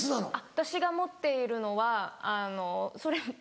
私が持っているのはあのそれ。